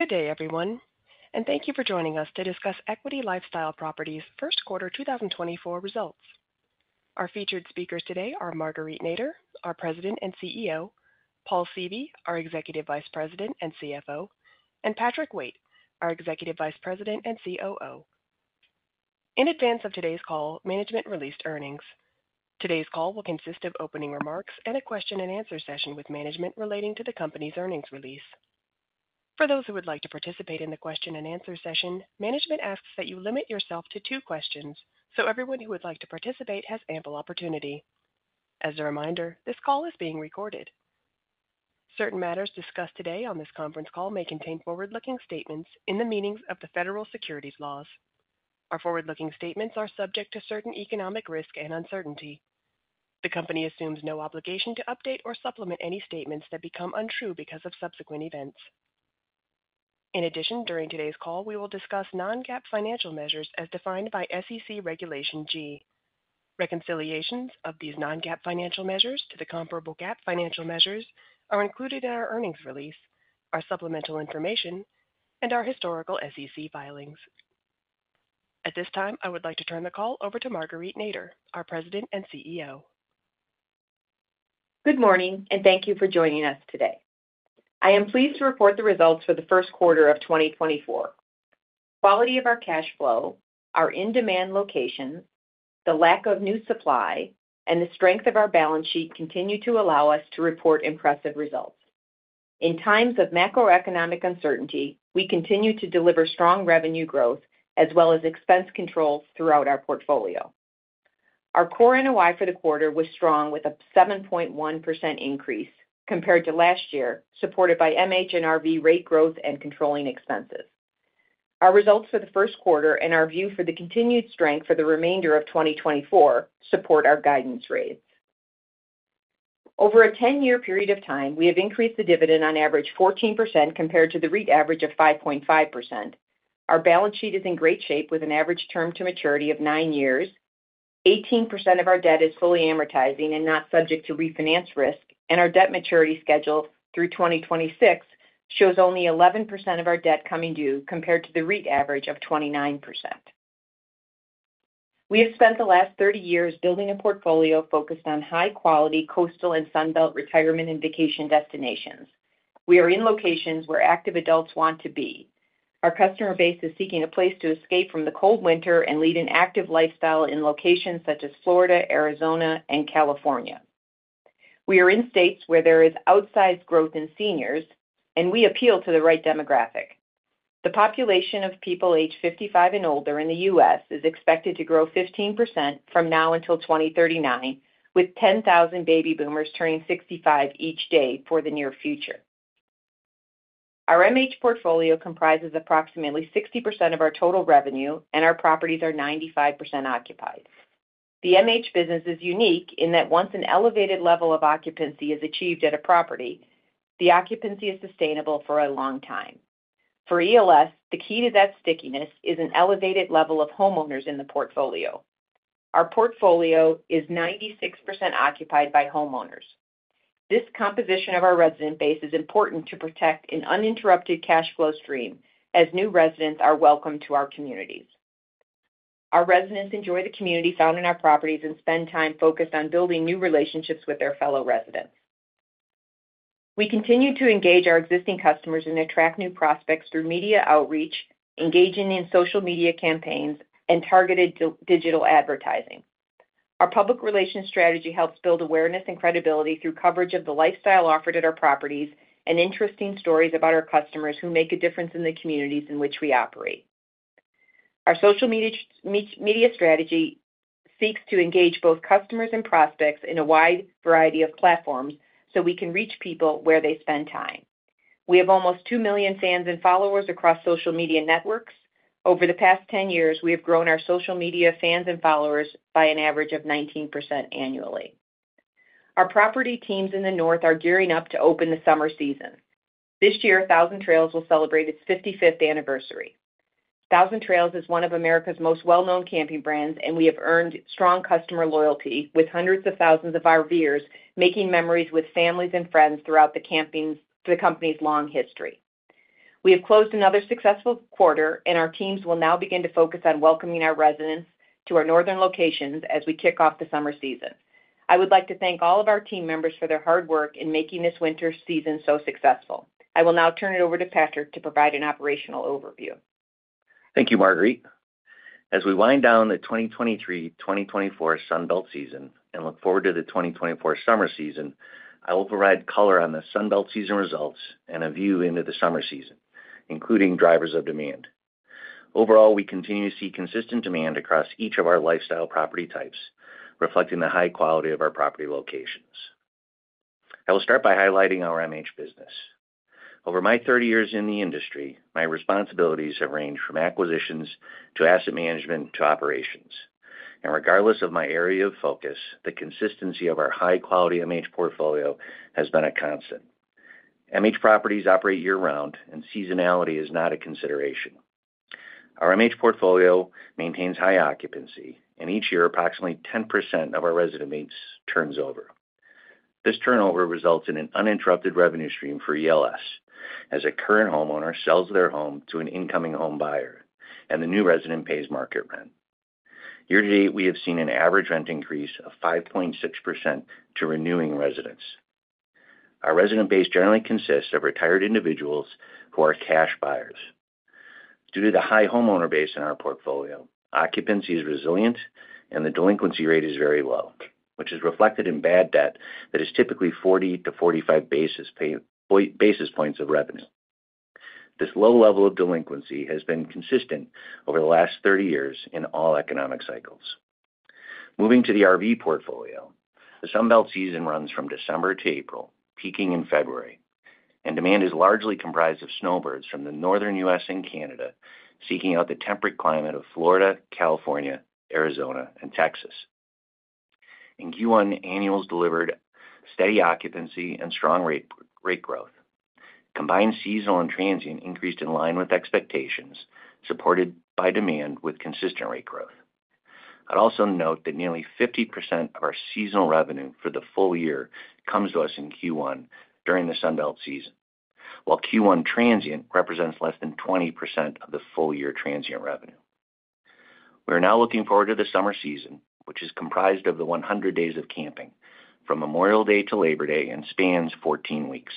Good day, everyone, and thank you for joining us to discuss Equity LifeStyle Properties' first quarter 2024 results. Our featured speakers today are Marguerite Nader, our President and CEO; Paul Seavey, our Executive Vice President and CFO; and Patrick Waite, our Executive Vice President and COO. In advance of today's call, management released earnings. Today's call will consist of opening remarks and a question-and-answer session with management relating to the company's earnings release. For those who would like to participate in the question-and-answer session, management asks that you limit yourself to two questions so everyone who would like to participate has ample opportunity. As a reminder, this call is being recorded. Certain matters discussed today on this conference call may contain forward-looking statements within the meaning of the federal securities laws. Our forward-looking statements are subject to certain economic risk and uncertainty. The company assumes no obligation to update or supplement any statements that become untrue because of subsequent events. In addition, during today's call we will discuss non-GAAP financial measures as defined by SEC Regulation G. Reconciliations of these non-GAAP financial measures to the comparable GAAP financial measures are included in our earnings release, our supplemental information, and our historical SEC filings. At this time, I would like to turn the call over to Marguerite Nader, our President and CEO. Good morning, and thank you for joining us today. I am pleased to report the results for the first quarter of 2024. Quality of our cash flow, our in-demand location, the lack of new supply, and the strength of our balance sheet continue to allow us to report impressive results. In times of macroeconomic uncertainty, we continue to deliver strong revenue growth as well as expense control throughout our portfolio. Our Core NOI for the quarter was strong with a 7.1% increase compared to last year, supported by MH&RV rate growth and controlling expenses. Our results for the first quarter and our view for the continued strength for the remainder of 2024 support our guidance rates. Over a 10-year period of time, we have increased the dividend on average 14% compared to the REIT average of 5.5%. Our balance sheet is in great shape with an average term to maturity of nine years, 18% of our debt is fully amortizing and not subject to refinance risk, and our debt maturity schedule through 2026 shows only 11% of our debt coming due compared to the REIT average of 29%. We have spent the last 30 years building a portfolio focused on high-quality coastal and Sunbelt retirement and vacation destinations. We are in locations where active adults want to be. Our customer base is seeking a place to escape from the cold winter and lead an active lifestyle in locations such as Florida, Arizona, and California. We are in states where there is outsized growth in seniors, and we appeal to the right demographic. The population of people age 55 and older in the U.S. is expected to grow 15% from now until 2039, with 10,000 baby boomers turning 65 each day for the near future. Our MH portfolio comprises approximately 60% of our total revenue, and our properties are 95% occupied. The MH business is unique in that once an elevated level of occupancy is achieved at a property, the occupancy is sustainable for a long time. For ELS, the key to that stickiness is an elevated level of homeowners in the portfolio. Our portfolio is 96% occupied by homeowners. This composition of our resident base is important to protect an uninterrupted cash flow stream as new residents are welcomed to our communities. Our residents enjoy the community found in our properties and spend time focused on building new relationships with their fellow residents. We continue to engage our existing customers and attract new prospects through media outreach, engaging in social media campaigns, and targeted digital advertising. Our public relations strategy helps build awareness and credibility through coverage of the lifestyle offered at our properties and interesting stories about our customers who make a difference in the communities in which we operate. Our social media strategy seeks to engage both customers and prospects in a wide variety of platforms so we can reach people where they spend time. We have almost 2 million fans and followers across social media networks. Over the past 10 years, we have grown our social media fans and followers by an average of 19% annually. Our property teams in the north are gearing up to open the summer season. This year, Thousand Trails will celebrate its 55th anniversary. Thousand Trails is one of America's most well-known camping brands, and we have earned strong customer loyalty with hundreds of thousands of RVers making memories with families and friends throughout the company's long history. We have closed another successful quarter, and our teams will now begin to focus on welcoming our residents to our northern locations as we kick off the summer season. I would like to thank all of our team members for their hard work in making this winter season so successful. I will now turn it over to Patrick to provide an operational overview. Thank you, Marguerite. As we wind down the 2023-2024 Sunbelt season and look forward to the 2024 summer season, I will provide color on the Sunbelt season results and a view into the summer season, including drivers of demand. Overall, we continue to see consistent demand across each of our lifestyle property types, reflecting the high quality of our property locations. I will start by highlighting our MH business. Over my 30 years in the industry, my responsibilities have ranged from acquisitions to asset management to operations. Regardless of my area of focus, the consistency of our high-quality MH portfolio has been a constant. MH properties operate year-round, and seasonality is not a consideration. Our MH portfolio maintains high occupancy, and each year approximately 10% of our resident base turns over. This turnover results in an uninterrupted revenue stream for ELS as a current homeowner sells their home to an incoming home buyer, and the new resident pays market rent. Year to date, we have seen an average rent increase of 5.6% to renewing residents. Our resident base generally consists of retired individuals who are cash buyers. Due to the high homeowner base in our portfolio, occupancy is resilient, and the delinquency rate is very low, which is reflected in bad debt that is typically 40-45 basis points of revenue. This low level of delinquency has been consistent over the last 30 years in all economic cycles. Moving to the RV portfolio, the Sunbelt season runs from December to April, peaking in February, and demand is largely comprised of snowbirds from the Northern U.S. and Canada seeking out the temperate climate of Florida, California, Arizona, and Texas. In Q1, annuals delivered steady occupancy and strong rate growth. Combined seasonal and transient increased in line with expectations, supported by demand with consistent rate growth. I'd also note that nearly 50% of our seasonal revenue for the full year comes to us in Q1 during the Sunbelt season, while Q1 transient represents less than 20% of the full-year transient revenue. We are now looking forward to the summer season, which is comprised of the 100 days of camping, from Memorial Day to Labor Day, and spans 14 weeks.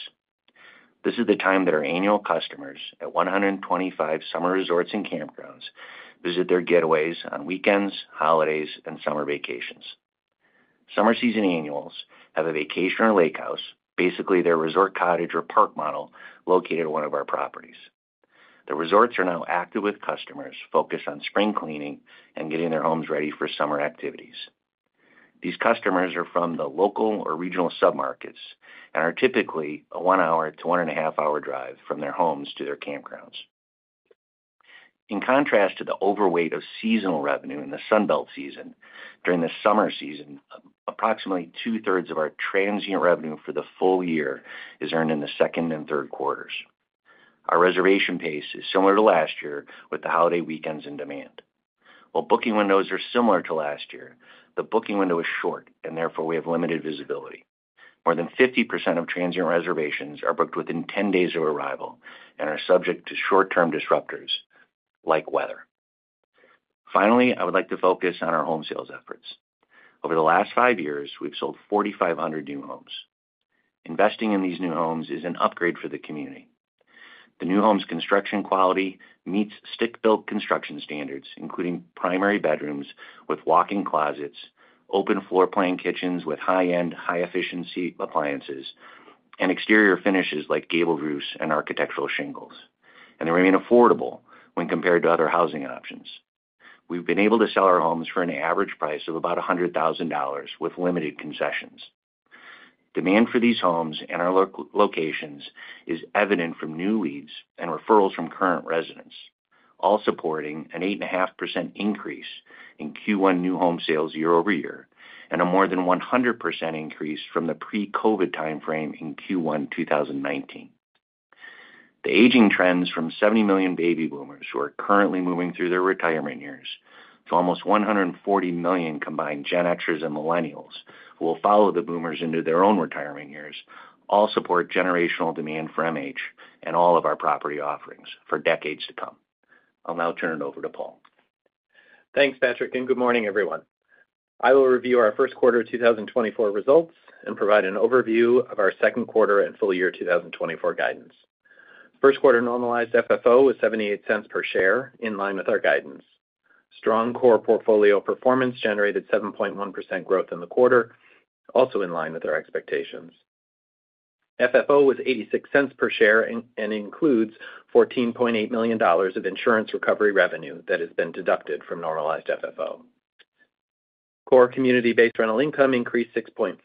This is the time that our annual customers at 125 summer resorts and campgrounds visit their getaways on weekends, holidays, and summer vacations. Summer season annuals have a vacation or lake house, basically their resort cottage or park model, located at one of our properties. The resorts are now active with customers focused on spring cleaning and getting their homes ready for summer activities. These customers are from the local or regional submarkets and are typically a 1-hour to 1.5-hour drive from their homes to their campgrounds. In contrast to the overweight of seasonal revenue in the Sunbelt season, during the summer season, approximately 2/3 of our transient revenue for the full year is earned in the second and third quarters. Our reservation pace is similar to last year with the holiday weekends in demand. While booking windows are similar to last year, the booking window is short, and therefore we have limited visibility. More than 50% of transient reservations are booked within 10 days of arrival and are subject to short-term disruptors like weather. Finally, I would like to focus on our home sales efforts. Over the last five years, we've sold 4,500 new homes. Investing in these new homes is an upgrade for the community. The new homes' construction quality meets stick-built construction standards, including primary bedrooms with walk-in closets, open floor-plan kitchens with high-end, high-efficiency appliances, and exterior finishes like gable roofs and architectural shingles, and they remain affordable when compared to other housing options. We've been able to sell our homes for an average price of about $100,000 with limited concessions. Demand for these homes and our locations is evident from new leads and referrals from current residents, all supporting an 8.5% increase in Q1 new home sales year-over-year and a more than 100% increase from the pre-COVID time frame in Q1 2019. The aging trends from 70 million baby boomers who are currently moving through their retirement years to almost 140 million combined Gen Xers and Millennials who will follow the boomers into their own retirement years all support generational demand for MH and all of our property offerings for decades to come. I'll now turn it over to Paul. Thanks, Patrick, and good morning, everyone. I will review our first quarter 2024 results and provide an overview of our second quarter and full year 2024 guidance. First quarter normalized FFO was $0.78 per share, in line with our guidance. Strong core portfolio performance generated 7.1% growth in the quarter, also in line with our expectations. FFO was $0.86 per share and includes $14.8 million of insurance recovery revenue that has been deducted from normalized FFO. Core community-based rental income increased 6.4%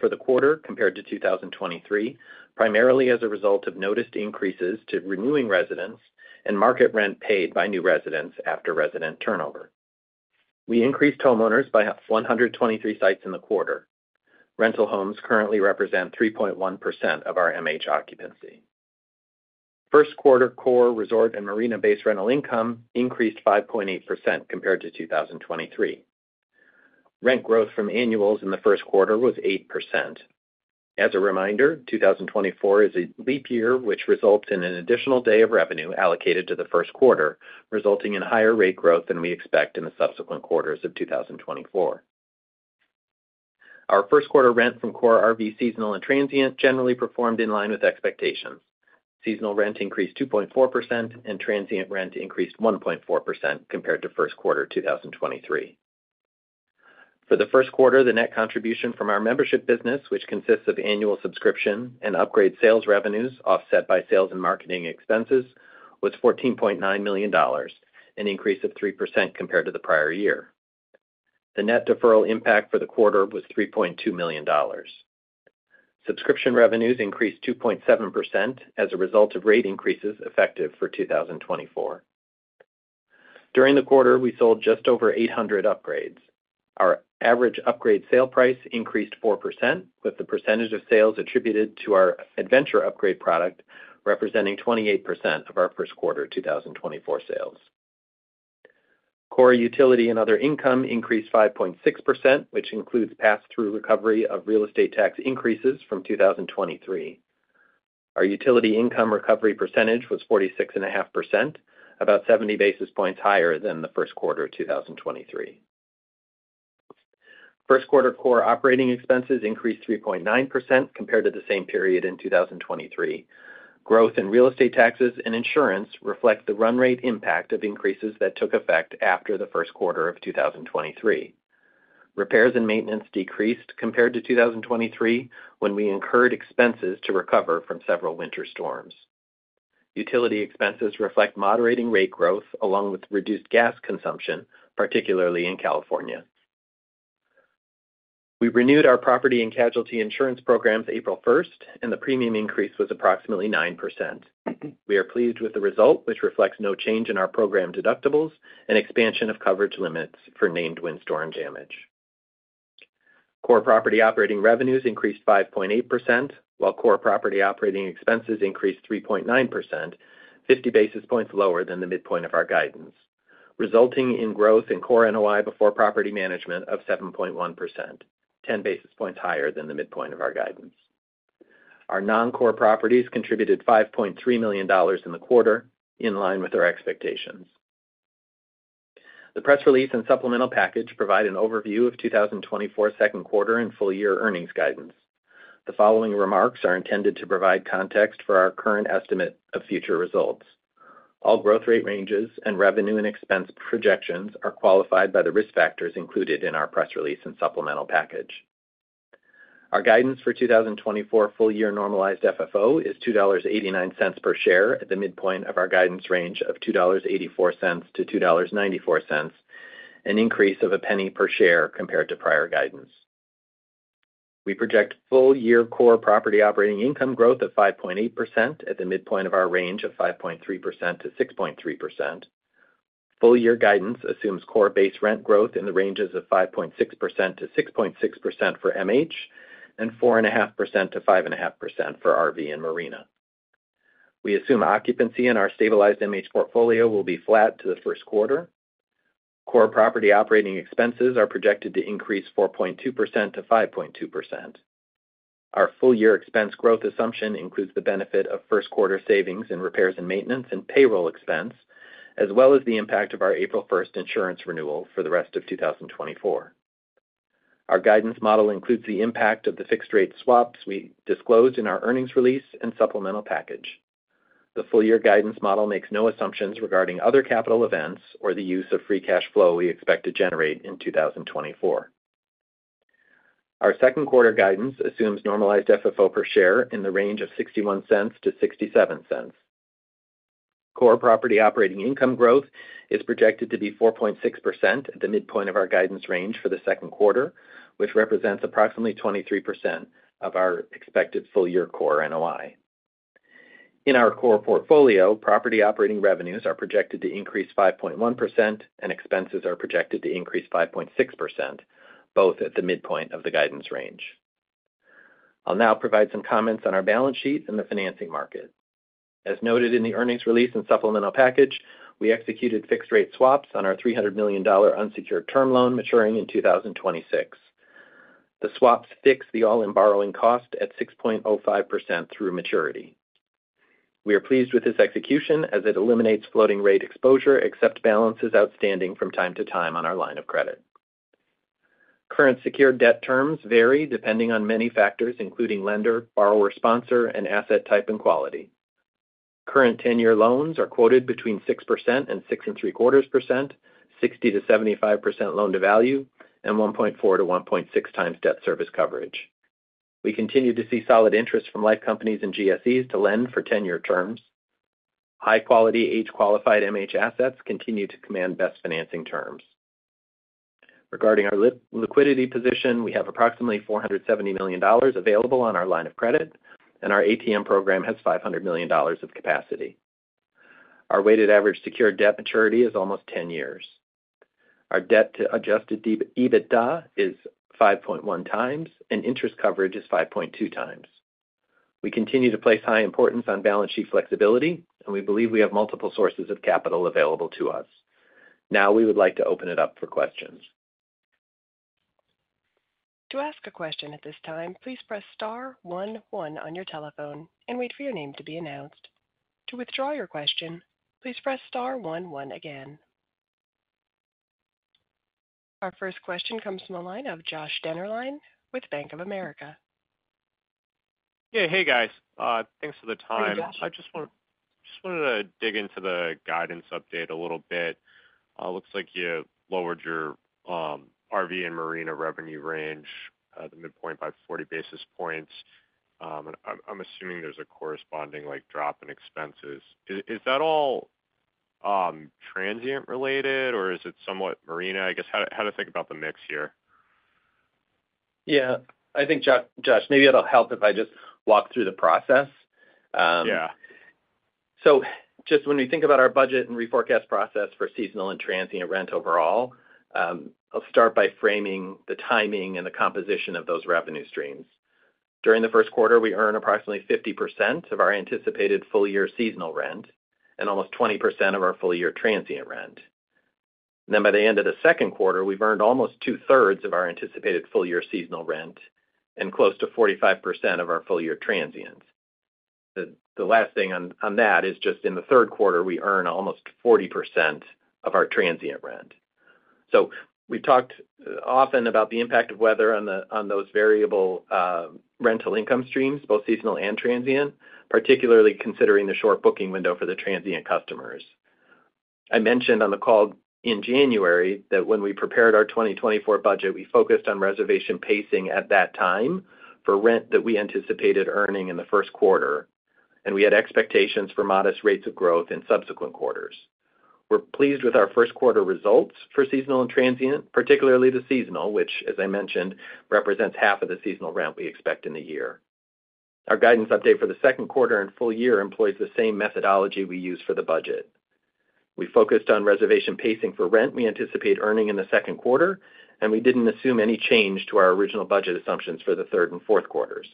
for the quarter compared to 2023, primarily as a result of noticed increases to renewing residents and market rent paid by new residents after resident turnover. We increased homeowners by 123 sites in the quarter. Rental homes currently represent 3.1% of our MH occupancy. First quarter core resort and marina-based rental income increased 5.8% compared to 2023. Rent growth from annuals in the first quarter was 8%. As a reminder, 2024 is a leap year, which results in an additional day of revenue allocated to the first quarter, resulting in higher rate growth than we expect in the subsequent quarters of 2024. Our first quarter rent from core RV seasonal and transient generally performed in line with expectations. Seasonal rent increased 2.4%, and transient rent increased 1.4% compared to first quarter 2023. For the first quarter, the net contribution from our membership business, which consists of annual subscription and upgrade sales revenues offset by sales and marketing expenses, was $14.9 million, an increase of 3% compared to the prior year. The net deferral impact for the quarter was $3.2 million. Subscription revenues increased 2.7% as a result of rate increases effective for 2024. During the quarter, we sold just over 800 upgrades. Our average upgrade sale price increased 4%, with the percentage of sales attributed to our Adventure upgrade product representing 28% of our first quarter 2024 sales. Core utility and other income increased 5.6%, which includes pass-through recovery of real estate tax increases from 2023. Our utility income recovery percentage was 46.5%, about 70 basis points higher than the first quarter 2023. First quarter core operating expenses increased 3.9% compared to the same period in 2023. Growth in real estate taxes and insurance reflect the run-rate impact of increases that took effect after the first quarter of 2023. Repairs and maintenance decreased compared to 2023 when we incurred expenses to recover from several winter storms. Utility expenses reflect moderating rate growth along with reduced gas consumption, particularly in California. We renewed our property and casualty insurance programs April 1st, and the premium increase was approximately 9%. We are pleased with the result, which reflects no change in our program deductibles and expansion of coverage limits for named windstorm damage. Core property operating revenues increased 5.8%, while core property operating expenses increased 3.9%, 50 basis points lower than the midpoint of our guidance, resulting in growth in Core NOI before property management of 7.1%, 10 basis points higher than the midpoint of our guidance. Our non-core properties contributed $5.3 million in the quarter, in line with our expectations. The press release and supplemental package provide an overview of 2024 second quarter and full year earnings guidance. The following remarks are intended to provide context for our current estimate of future results. All growth rate ranges and revenue and expense projections are qualified by the risk factors included in our press release and supplemental package. Our guidance for 2024 full year normalized FFO is $2.89 per share at the midpoint of our guidance range of $2.84-$2.94, an increase of a penny per share compared to prior guidance. We project full year core property operating income growth of 5.8% at the midpoint of our range of 5.3%-6.3%. Full year guidance assumes core base rent growth in the ranges of 5.6%-6.6% for MH and 4.5%-5.5% for RV and marina. We assume occupancy in our stabilized MH portfolio will be flat to the first quarter. Core property operating expenses are projected to increase 4.2%-5.2%. Our full year expense growth assumption includes the benefit of first quarter savings in repairs and maintenance and payroll expense, as well as the impact of our April 1st insurance renewal for the rest of 2024. Our guidance model includes the impact of the fixed-rate swaps we disclosed in our earnings release and supplemental package. The full year guidance model makes no assumptions regarding other capital events or the use of free cash flow we expect to generate in 2024. Our second quarter guidance assumes normalized FFO per share in the range of $0.61-$0.67. Core property operating income growth is projected to be 4.6% at the midpoint of our guidance range for the second quarter, which represents approximately 23% of our expected full year core NOI. In our core portfolio, property operating revenues are projected to increase 5.1%, and expenses are projected to increase 5.6%, both at the midpoint of the guidance range. I'll now provide some comments on our balance sheet and the financing market. As noted in the earnings release and supplemental package, we executed fixed-rate swaps on our $300 million unsecured term loan maturing in 2026. The swaps fix the all-in borrowing cost at 6.05% through maturity. We are pleased with this execution as it eliminates floating-rate exposure except balances outstanding from time to time on our line of credit. Current secured debt terms vary depending on many factors, including lender, borrower sponsor, and asset type and quality. Current 10-year loans are quoted between 6%-6.75%, 60%-75% loan-to-value, and 1.4-1.6 times debt service coverage. We continue to see solid interest from life companies and GSEs to lend for 10-year terms. High-quality age-qualified MH assets continue to command best financing terms. Regarding our liquidity position, we have approximately $470 million available on our line of credit, and our ATM program has $500 million of capacity. Our weighted average secured debt maturity is almost 10 years. Our debt-to-adjusted EBITDA is 5.1 times, and interest coverage is 5.2 times. We continue to place high importance on balance sheet flexibility, and we believe we have multiple sources of capital available to us. Now we would like to open it up for questions. To ask a question at this time, please press star one one on your telephone and wait for your name to be announced. To withdraw your question, please press star 11 again. Our first question comes from a line of Joshua Dennerlein with Bank of America. Yeah, hey guys. Thanks for the time. I just wanted to dig into the guidance update a little bit. Looks like you lowered your RV and marina revenue range at the midpoint by 40 basis points. I'm assuming there's a corresponding drop in expenses. Is that all transient-related, or is it somewhat marina? I guess, how to think about the mix here? Yeah. I think, Josh, maybe it'll help if I just walk through the process. So just when we think about our budget and reforecast process for seasonal and transient rent overall, I'll start by framing the timing and the composition of those revenue streams. During the first quarter, we earned approximately 50% of our anticipated full year seasonal rent and almost 20% of our full year transient rent. Then by the end of the second quarter, we've earned almost two-thirds of our anticipated full year seasonal rent and close to 45% of our full year transients. The last thing on that is just in the third quarter, we earn almost 40% of our transient rent. So we've talked often about the impact of weather on those variable rental income streams, both seasonal and transient, particularly considering the short booking window for the transient customers. I mentioned on the call in January that when we prepared our 2024 budget, we focused on reservation pacing at that time for rent that we anticipated earning in the first quarter, and we had expectations for modest rates of growth in subsequent quarters. We're pleased with our first quarter results for seasonal and transient, particularly the seasonal, which, as I mentioned, represents half of the seasonal rent we expect in the year. Our guidance update for the second quarter and full year employs the same methodology we use for the budget. We focused on reservation pacing for rent we anticipate earning in the second quarter, and we didn't assume any change to our original budget assumptions for the third and fourth quarters.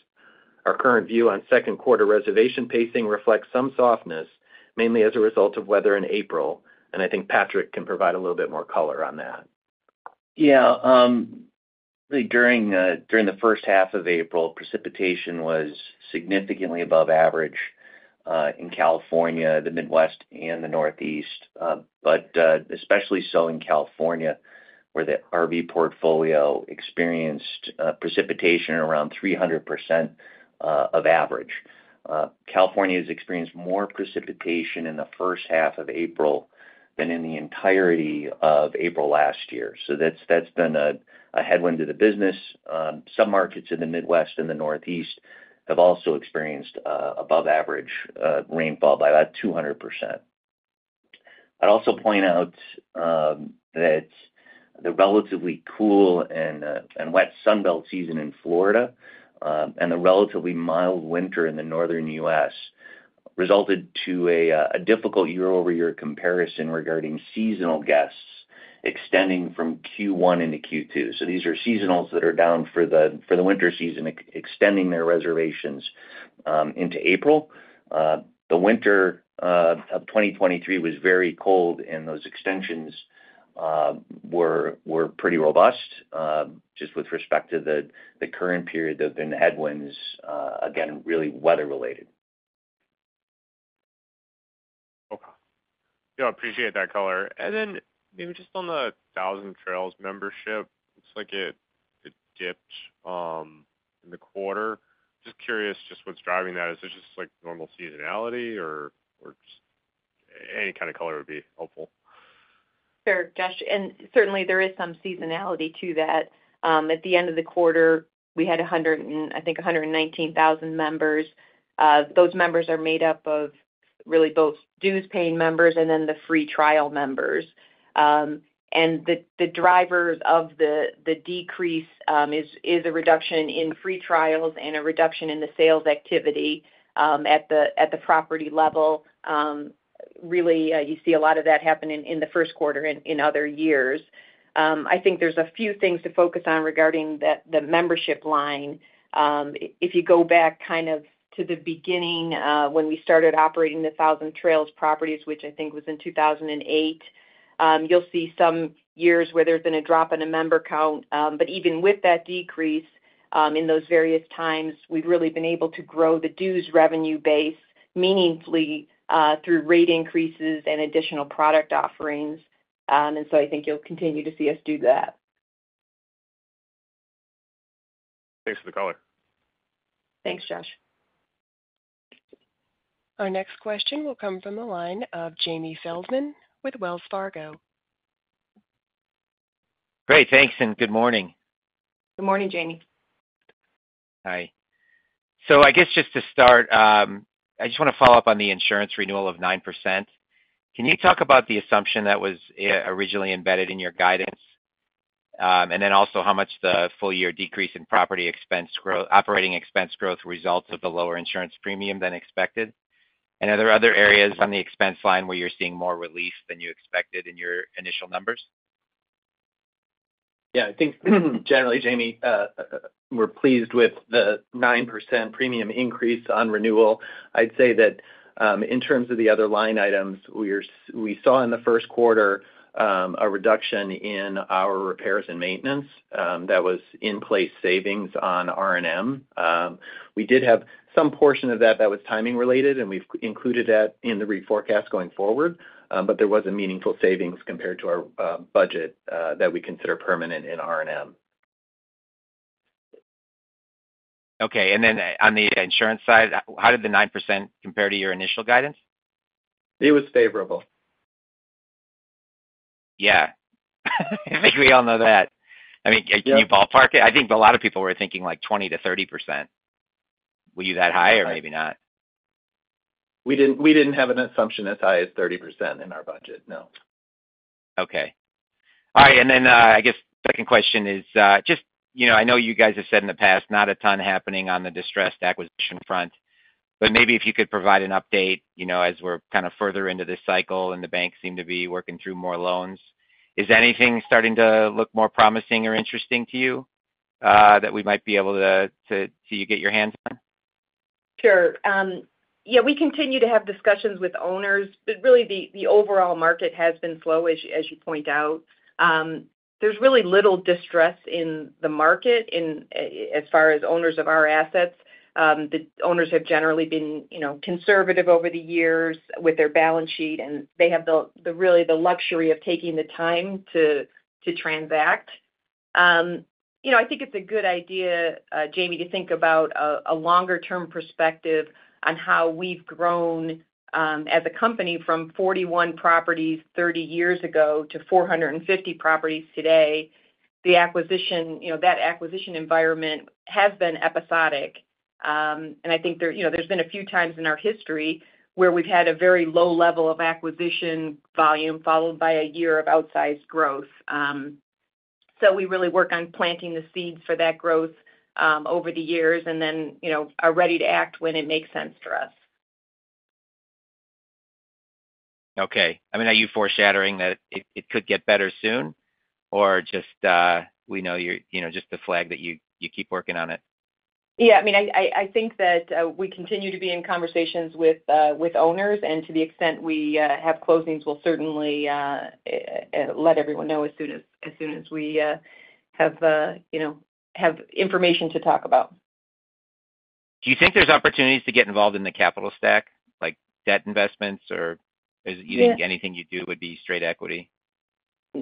Our current view on second quarter reservation pacing reflects some softness, mainly as a result of weather in April, and I think Patrick can provide a little bit more color on that. Yeah. During the first half of April, precipitation was significantly above average in California, the Midwest, and the Northeast, but especially so in California where the RV portfolio experienced precipitation around 300% of average. California has experienced more precipitation in the first half of April than in the entirety of April last year. So that's been a headwind to the business. Some markets in the Midwest and the Northeast have also experienced above-average rainfall by about 200%. I'd also point out that the relatively cool and wet sunbelt season in Florida and the relatively mild winter in the northern U.S. resulted in a difficult year-over-year comparison regarding seasonal guests extending from Q1 into Q2. So these are seasonals that are down for the winter season, extending their reservations into April. The winter of 2023 was very cold, and those extensions were pretty robust just with respect to the current period. There have been headwinds, again, really weather-related. Okay. Yeah, I appreciate that color. And then maybe just on the Thousand Trails membership, looks like it dipped in the quarter. Just curious just what's driving that. Is it just normal seasonality, or any kind of color would be helpful? Sure, Josh. Certainly, there is some seasonality to that. At the end of the quarter, we had, I think, 119,000 members. Those members are made up of really both dues-paying members and then the free trial members. The drivers of the decrease is a reduction in free trials and a reduction in the sales activity at the property level. Really, you see a lot of that happening in the first quarter in other years. I think there's a few things to focus on regarding the membership line. If you go back kind of to the beginning when we started operating the Thousand Trails properties, which I think was in 2008, you'll see some years where there's been a drop in a member count. But even with that decrease in those various times, we've really been able to grow the dues revenue base meaningfully through rate increases and additional product offerings. And so I think you'll continue to see us do that. Thanks for the color. Thanks, Josh. Our next question will come from a line of Jamie Feldman with Wells Fargo. Great. Thanks and good morning. Good morning, Jamie. Hi. So I guess just to start, I just want to follow up on the insurance renewal of 9%. Can you talk about the assumption that was originally embedded in your guidance, and then also how much the full year decrease in property operating expense growth results of the lower insurance premium than expected? And are there other areas on the expense line where you're seeing more relief than you expected in your initial numbers? Yeah. I think generally, Jamie, we're pleased with the 9% premium increase on renewal. I'd say that in terms of the other line items, we saw in the first quarter a reduction in our repairs and maintenance. That was in-place savings on R&M. We did have some portion of that that was timing-related, and we've included that in the reforecast going forward, but there wasn't meaningful savings compared to our budget that we consider permanent in R&M. Okay. And then on the insurance side, how did the 9% compare to your initial guidance? It was favorable. Yeah. I think we all know that. I mean, can you ballpark it? I think a lot of people were thinking 20%-30%. Were you that high or maybe not? We didn't have an assumption as high as 30% in our budget, no. Okay. All right. And then I guess second question is just I know you guys have said in the past not a ton happening on the distressed acquisition front, but maybe if you could provide an update as we're kind of further into this cycle and the banks seem to be working through more loans, is anything starting to look more promising or interesting to you that we might be able to see you get your hands on? Sure. Yeah, we continue to have discussions with owners, but really, the overall market has been slow, as you point out. There's really little distress in the market as far as owners of our assets. The owners have generally been conservative over the years with their balance sheet, and they have really the luxury of taking the time to transact. I think it's a good idea, Jamie, to think about a longer-term perspective on how we've grown as a company from 41 properties 30 years ago to 450 properties today. That acquisition environment has been episodic, and I think there's been a few times in our history where we've had a very low level of acquisition volume followed by a year of outsized growth. So we really work on planting the seeds for that growth over the years and then are ready to act when it makes sense to us. Okay. I mean, are you foreshadowing that it could get better soon, or just you know just the flag that you keep working on it? Yeah. I mean, I think that we continue to be in conversations with owners, and to the extent we have closings, we'll certainly let everyone know as soon as we have information to talk about. Do you think there's opportunities to get involved in the capital stack, like debt investments, or you think anything you do would be straight equity?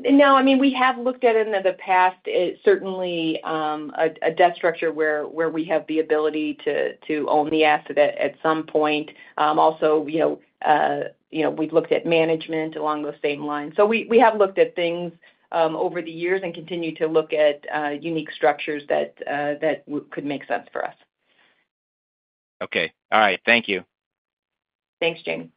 No. I mean, we have looked at in the past, certainly, a debt structure where we have the ability to own the asset at some point. Also, we've looked at management along those same lines. So we have looked at things over the years and continue to look at unique structures that could make sense for us. Okay. All right. Thank you. Thanks, Jamie.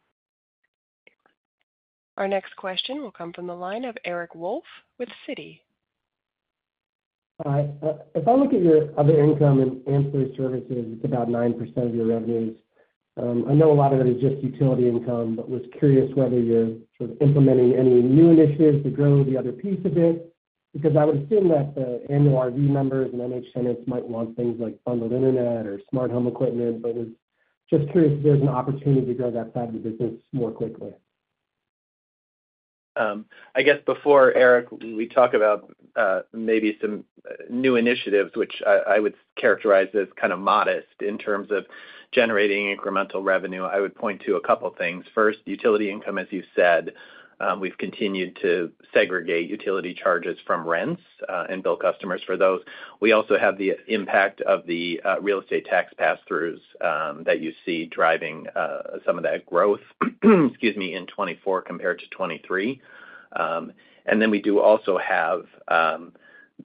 Our next question will come from a line of Eric Wolfe with Citi. All right. If I look at your other income and ancillary services, it's about 9% of your revenues. I know a lot of it is just utility income, but was curious whether you're sort of implementing any new initiatives to grow the other piece of it because I would assume that the annual RV members and MH tenants might want things like bundled internet or smart home equipment, but was just curious if there's an opportunity to grow that side of the business more quickly. I guess before Eric, we talk about maybe some new initiatives, which I would characterize as kind of modest in terms of generating incremental revenue. I would point to a couple of things. First, utility income, as you've said. We've continued to segregate utility charges from rents and bill customers for those. We also have the impact of the real estate tax pass-throughs that you see driving some of that growth, excuse me, in 2024 compared to 2023. And then we do also have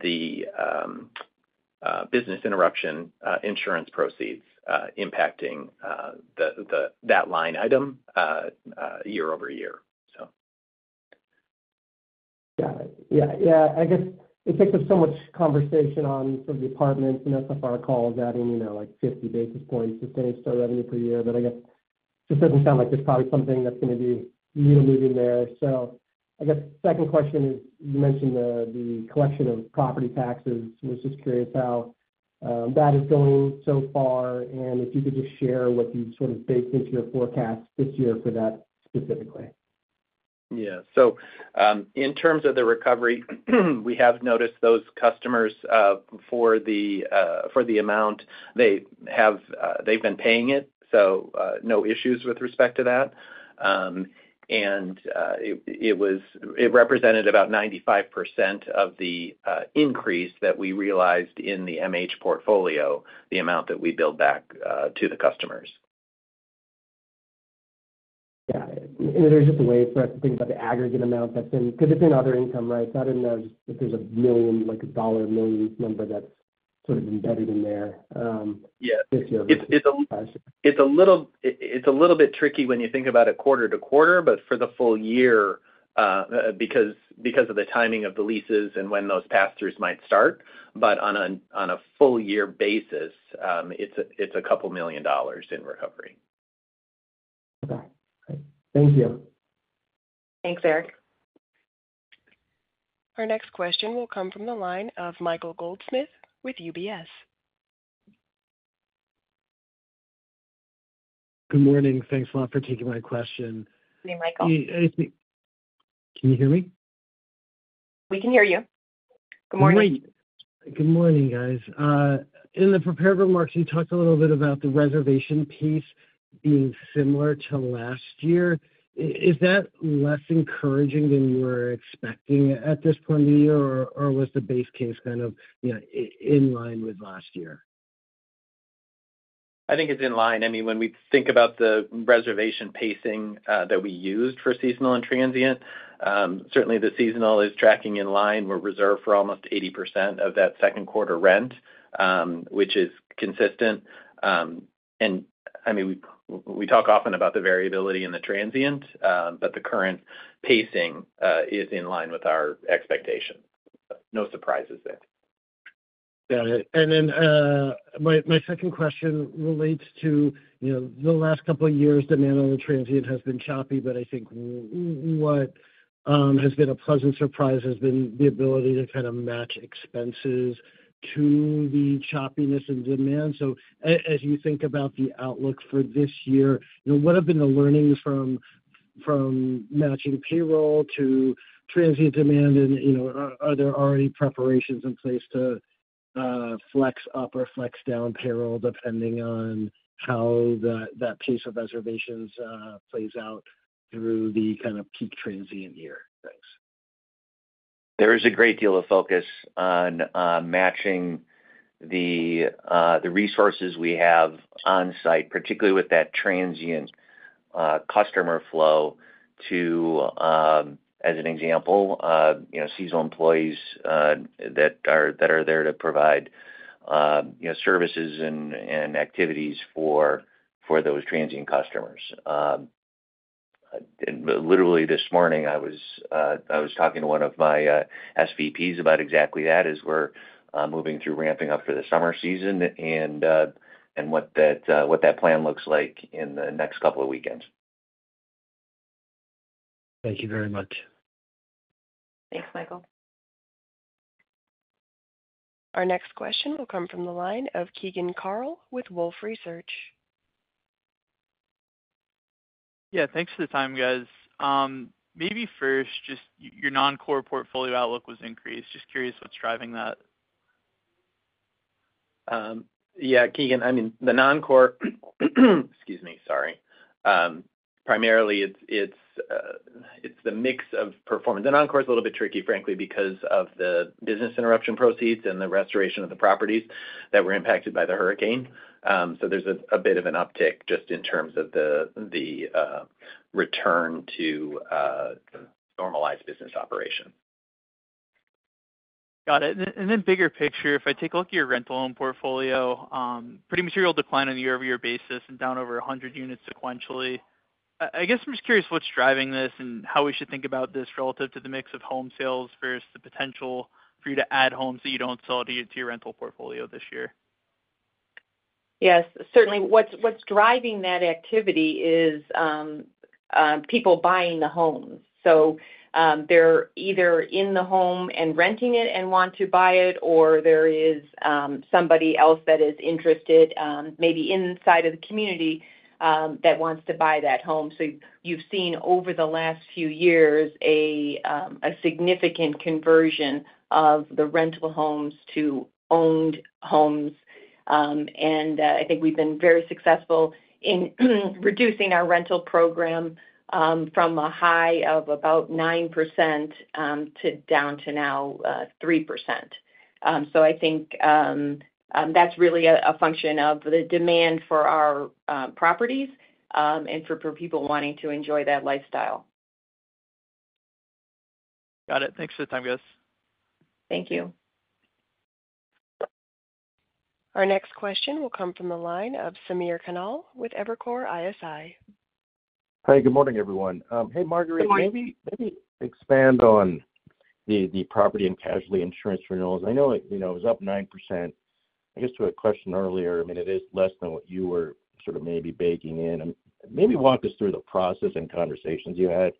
the business interruption insurance proceeds impacting that line item year over year, so. Yeah. Yeah. Yeah. I guess it takes up so much conversation on sort of the apartments and SFR calls adding 50 basis points to sustainable revenue per year, but I guess it just doesn't sound like there's probably something that's going to be needle moving there. So I guess second question is you mentioned the collection of property taxes. I was just curious how that is going so far and if you could just share what you sort of baked into your forecast this year for that specifically. Yeah. So in terms of the recovery, we have noticed those customers for the amount, they've been paying it, so no issues with respect to that. And it represented about 95% of the increase that we realized in the MH portfolio, the amount that we bill back to the customers. Got it. Is there just a way for us to think about the aggregate amount that's been because it's been other income rights. I didn't know if there's a dollar million number that's sort of embedded in there this year. Yeah. It's a little bit tricky when you think about it quarter-to-quarter, but for the full year because of the timing of the leases and when those pass-throughs might start. But on a full-year basis, it's a couple of million dollars in recovery. Okay. Great. Thank you. Thanks, Eric. Our next question will come from the line of Michael Goldsmith with UBS. Good morning. Thanks a lot for taking my question. Hi, Michael. Can you hear me? We can hear you. Good morning. Good morning, guys. In the preparatory remarks, you talked a little bit about the reservation piece being similar to last year. Is that less encouraging than you were expecting at this point of the year, or was the base case kind of in line with last year? I think it's in line. I mean, when we think about the reservation pacing that we used for seasonal and transient, certainly, the seasonal is tracking in line. We're reserved for almost 80% of that second-quarter rent, which is consistent. And I mean, we talk often about the variability in the transient, but the current pacing is in line with our expectations. No surprises there. Got it. And then my second question relates to the last couple of years. Demand on the transient has been choppy, but I think what has been a pleasant surprise has been the ability to kind of match expenses to the choppiness and demand. So as you think about the outlook for this year, what have been the learnings from matching payroll to transient demand, and are there already preparations in place to flex up or flex down payroll depending on how that piece of reservations plays out through the kind of peak transient year? Thanks. There is a great deal of focus on matching the resources we have on-site, particularly with that transient customer flow, as an example, seasonal employees that are there to provide services and activities for those transient customers. Literally, this morning, I was talking to one of my SVPs about exactly that as we're moving through ramping up for the summer season and what that plan looks like in the next couple of weekends. Thank you very much. Thanks, Michael. Our next question will come from the line of Keegan Carl with Wolfe Research. Yeah. Thanks for the time, guys. Maybe first, just your non-core portfolio outlook was increased. Just curious what's driving that? Yeah. Keegan, I mean, the non-core, excuse me. Sorry. Primarily, it's the mix of performance. The non-core is a little bit tricky, frankly, because of the business interruption proceeds and the restoration of the properties that were impacted by the hurricane. So there's a bit of an uptick just in terms of the return to normalized business operation. Got it. And then bigger picture, if I take a look at your rental home portfolio, pretty material decline on a year-over-year basis and down over 100 units sequentially. I guess I'm just curious what's driving this and how we should think about this relative to the mix of home sales versus the potential for you to add homes that you don't sell to your rental portfolio this year? Yes. Certainly, what's driving that activity is people buying the homes. So they're either in the home and renting it and want to buy it, or there is somebody else that is interested maybe inside of the community that wants to buy that home. So you've seen over the last few years a significant conversion of the rental homes to owned homes. And I think we've been very successful in reducing our rental program from a high of about 9% down to now 3%. So I think that's really a function of the demand for our properties and for people wanting to enjoy that lifestyle. Got it. Thanks for the time, guys. Thank you. Our next question will come from the line of Samir Khanal with Evercore ISI. Hey. Good morning, everyone. Hey, Marguerite. Maybe expand on the property and casualty insurance renewals. I know it was up 9%. I guess to a question earlier, I mean, it is less than what you were sort of maybe baking in. Maybe walk us through the process and conversations you had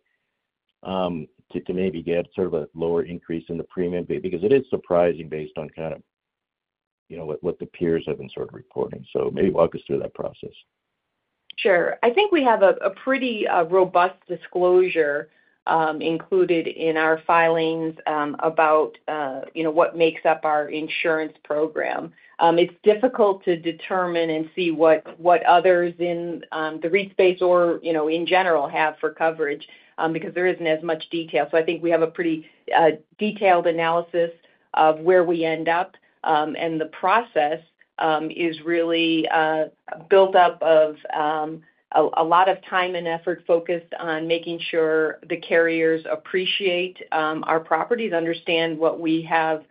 to maybe get sort of a lower increase in the premium because it is surprising based on kind of what the peers have been sort of reporting. So maybe walk us through that process. Sure. I think we have a pretty robust disclosure included in our filings about what makes up our insurance program. It's difficult to determine and see what others in the REIT space or in general have for coverage because there isn't as much detail. I think we have a pretty detailed analysis of where we end up, and the process is really built up of a lot of time and effort focused on making sure the carriers appreciate our properties, understand what we have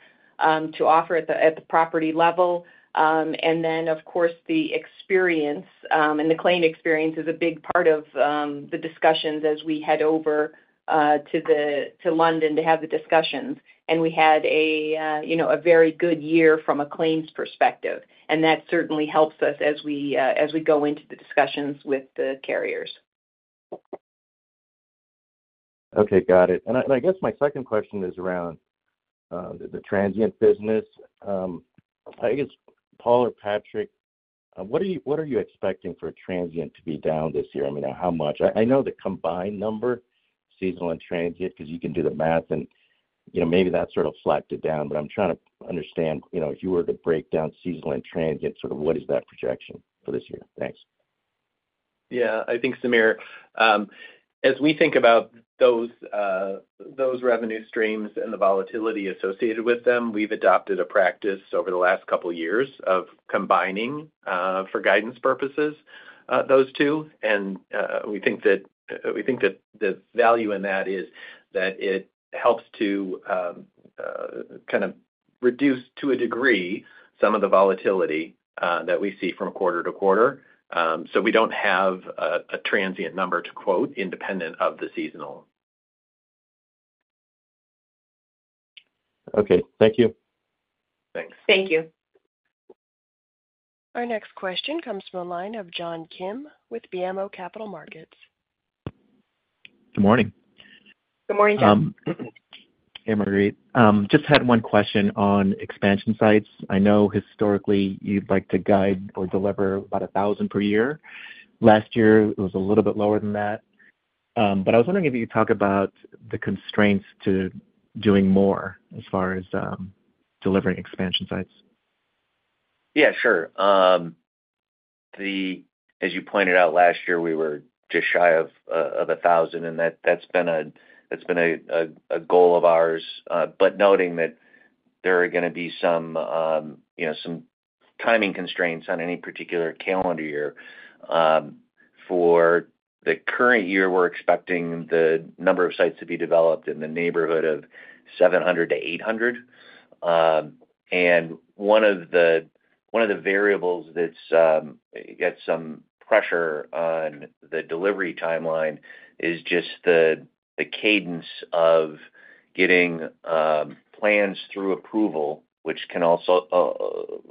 to offer at the property level, and then, of course, the experience. The claim experience is a big part of the discussions as we head over to London to have the discussions. We had a very good year from a claims perspective, and that certainly helps us as we go into the discussions with the carriers. Okay. Got it. And I guess my second question is around the transient business. I guess, Paul or Patrick, what are you expecting for transient to be down this year? I mean, how much? I know the combined number, seasonal and transient, because you can do the math, and maybe that sort of flattened it down, but I'm trying to understand if you were to break down seasonal and transient, sort of what is that projection for this year? Thanks. Yeah. I think, Samir, as we think about those revenue streams and the volatility associated with them, we've adopted a practice over the last couple of years of combining for guidance purposes those two. And we think that the value in that is that it helps to kind of reduce to a degree some of the volatility that we see from quarter to quarter. So we don't have a transient number to quote independent of the seasonal. Okay. Thank you. Thanks. Thank you. Our next question comes from a line of John Kim with BMO Capital Markets. Good morning. Good morning, John. Hey, Marguerite. Just had one question on expansion sites. I know historically, you'd like to guide or deliver about 1,000 per year. Last year, it was a little bit lower than that. But I was wondering if you could talk about the constraints to doing more as far as delivering expansion sites. Yeah. Sure. As you pointed out last year, we were just shy of 1,000, and that's been a goal of ours. But noting that there are going to be some timing constraints on any particular calendar year, for the current year, we're expecting the number of sites to be developed in the neighborhood of 700-800. And one of the variables that's got some pressure on the delivery timeline is just the cadence of getting plans through approval, which can also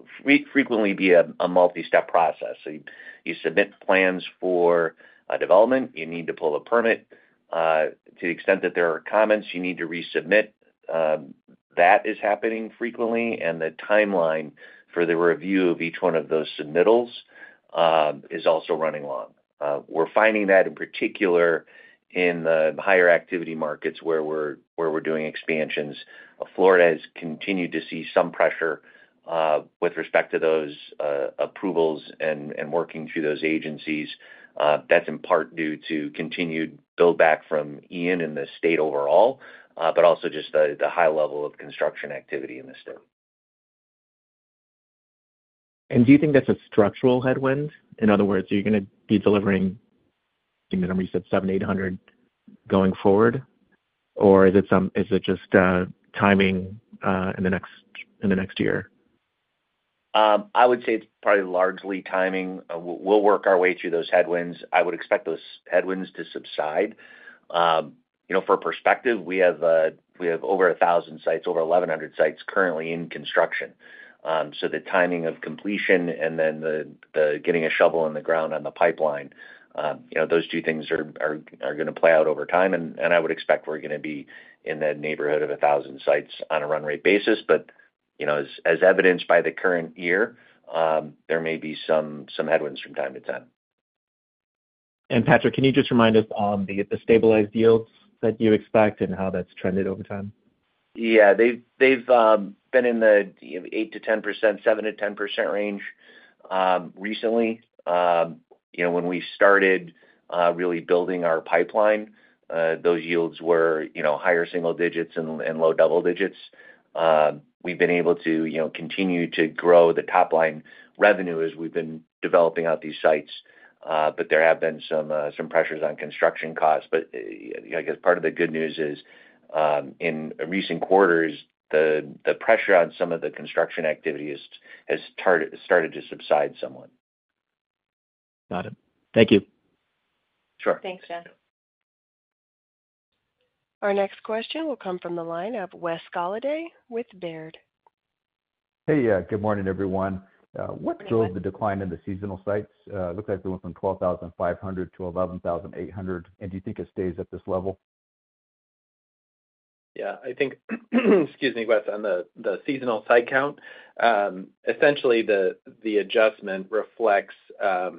frequently be a multi-step process. So you submit plans for development. You need to pull a permit. To the extent that there are comments, you need to resubmit. That is happening frequently, and the timeline for the review of each one of those submittals is also running long. We're finding that in particular in the higher activity markets where we're doing expansions. Florida has continued to see some pressure with respect to those approvals and working through those agencies. That's in part due to continued buildback from Ian in the state overall, but also just the high level of construction activity in the state. Do you think that's a structural headwind? In other words, are you going to be delivering I think the number you said, 700, 800 going forward, or is it just timing in the next year? I would say it's probably largely timing. We'll work our way through those headwinds. I would expect those headwinds to subside. For perspective, we have over 1,000 sites, over 1,100 sites currently in construction. So the timing of completion and then getting a shovel in the ground on the pipeline, those two things are going to play out over time, and I would expect we're going to be in that neighborhood of 1,000 sites on a run-rate basis. But as evidenced by the current year, there may be some headwinds from time to time. Patrick, can you just remind us of the stabilized yields that you expect and how that's trended over time? Yeah. They've been in the 8%-10%, 7%-10% range recently. When we started really building our pipeline, those yields were higher single digits and low double digits. We've been able to continue to grow the top-line revenue as we've been developing out these sites, but there have been some pressures on construction costs. But I guess part of the good news is in recent quarters, the pressure on some of the construction activity has started to subside somewhat. Got it. Thank you. Sure. Thanks, John. Our next question will come from the line of Wes Golladay with Baird. Hey. Good morning, everyone. What drove the decline in the seasonal sites? It looks like we went from 12,500 to 11,800. Do you think it stays at this level? Yeah. Excuse me, Wes, on the seasonal site count, essentially, the adjustment reflects a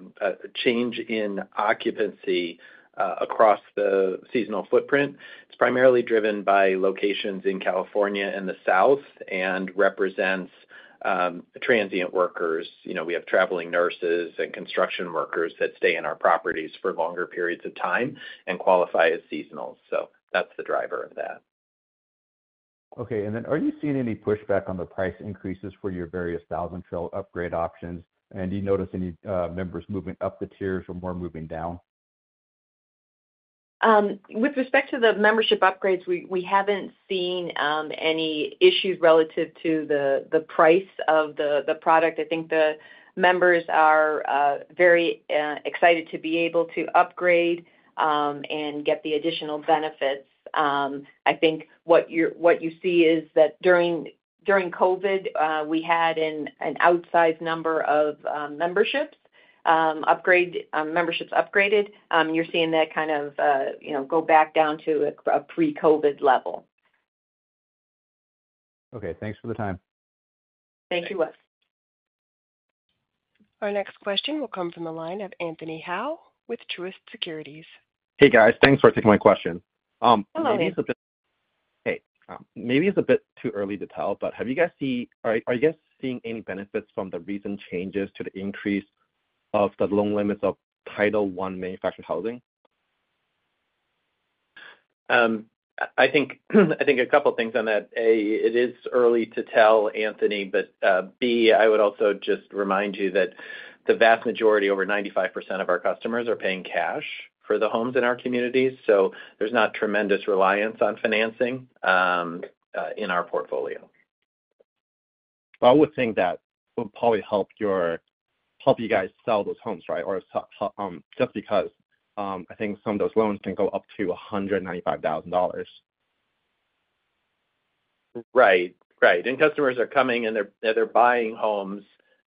change in occupancy across the seasonal footprint. It's primarily driven by locations in California and the south and represents transient workers. We have traveling nurses and construction workers that stay in our properties for longer periods of time and qualify as seasonal. So that's the driver of that. Okay. And then are you seeing any pushback on the price increases for your various Thousand Trails upgrade options? And do you notice any members moving up the tiers or more moving down? With respect to the membership upgrades, we haven't seen any issues relative to the price of the product. I think the members are very excited to be able to upgrade and get the additional benefits. I think what you see is that during COVID, we had an outsized number of memberships upgraded. You're seeing that kind of go back down to a pre-COVID level. Okay. Thanks for the time. Thank you, Wes. Our next question will come from the line of Anthony Hau with Truist Securities. Hey, guys. Thanks for taking my question. Hello. Hey. Maybe it's a bit too early to tell, but are you guys seeing any benefits from the recent changes to the increase of the loan limits of Title I manufactured housing? I think a couple of things on that. A, it is early to tell, Anthony, but B, I would also just remind you that the vast majority, over 95% of our customers, are paying cash for the homes in our communities. So there's not tremendous reliance on financing in our portfolio. Well, I would think that would probably help you guys sell those homes, right, or just because I think some of those loans can go up to $195,000. Right. Right. And customers are coming, and they're buying homes,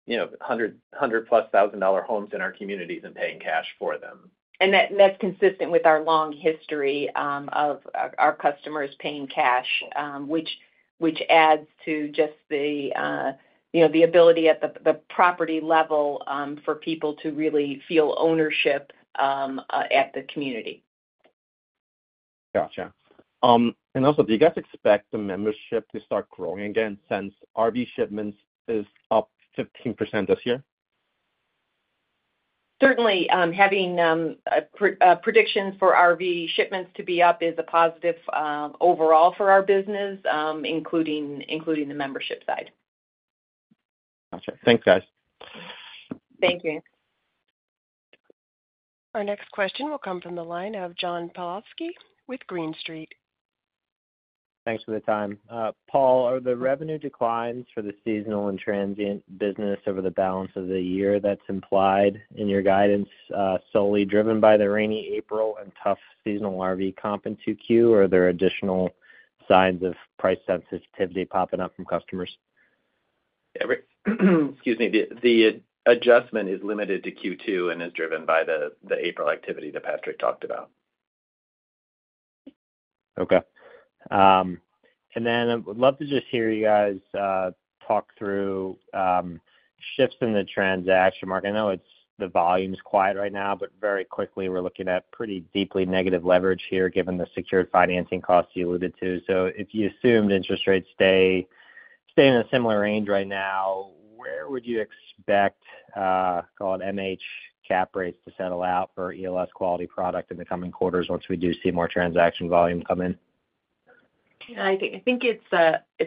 $100,000+ homes in our communities and paying cash for them. That's consistent with our long history of our customers paying cash, which adds to just the ability at the property level for people to really feel ownership at the community. Gotcha. Also, do you guys expect the membership to start growing again since RV shipments is up 15% this year? Certainly. Having predictions for RV shipments to be up is a positive overall for our business, including the membership side. Gotcha. Thanks, guys. Thank you. Our next question will come from the line of John Pawlowski with Green Street. Thanks for the time. Paul, are the revenue declines for the seasonal and transient business over the balance of the year that's implied in your guidance solely driven by the rainy April and tough seasonal RV comp in Q2, or are there additional signs of price sensitivity popping up from customers? Excuse me. The adjustment is limited to Q2 and is driven by the April activity that Patrick talked about. Okay. And then I would love to just hear you guys talk through shifts in the transaction market. I know the volume's quiet right now, but very quickly, we're looking at pretty deeply negative leverage here given the secured financing costs you alluded to. So if you assumed interest rates stay in a similar range right now, where would you expect, call it MH, cap rates to settle out for ELS quality product in the coming quarters once we do see more transaction volume come in? I think it's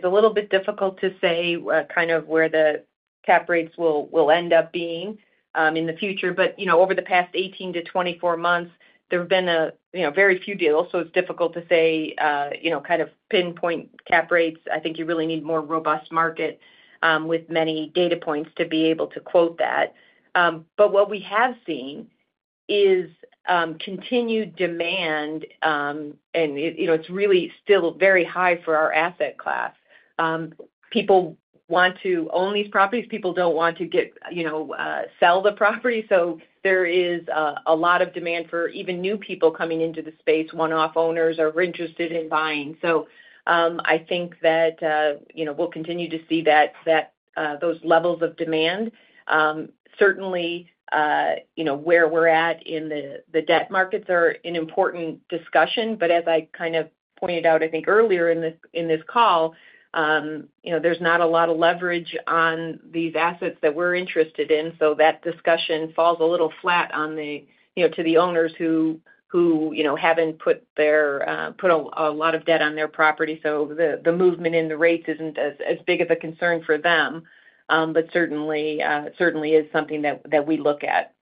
a little bit difficult to say kind of where the cap rates will end up being in the future. But over the past 18-24 months, there have been very few deals, so it's difficult to say kind of pinpoint cap rates. I think you really need more robust market with many data points to be able to quote that. But what we have seen is continued demand, and it's really still very high for our asset class. People want to own these properties. People don't want to sell the property. So there is a lot of demand for even new people coming into the space. One-off owners are interested in buying. So I think that we'll continue to see those levels of demand. Certainly, where we're at in the debt markets are an important discussion. But as I kind of pointed out, I think, earlier in this call, there's not a lot of leverage on these assets that we're interested in. So that discussion falls a little flat onto the owners who haven't put a lot of debt on their property. So the movement in the rates isn't as big of a concern for them, but certainly is something that we look at.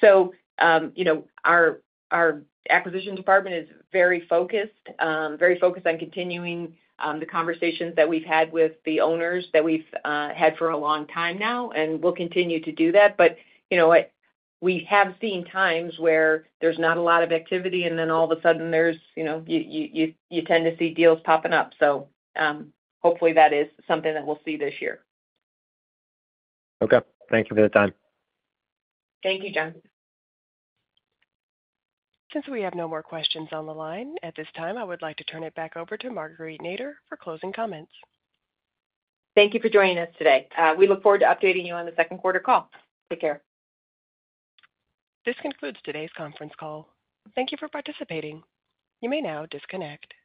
So our acquisition department is very focused, very focused on continuing the conversations that we've had with the owners that we've had for a long time now, and we'll continue to do that. But you know what? We have seen times where there's not a lot of activity, and then all of a sudden, you tend to see deals popping up. So hopefully, that is something that we'll see this year. Okay. Thank you for the time. Thank you, John. Since we have no more questions on the line at this time, I would like to turn it back over to Marguerite Nader for closing comments. Thank you for joining us today. We look forward to updating you on the second-quarter call. Take care. This concludes today's conference call. Thank you for participating. You may now disconnect.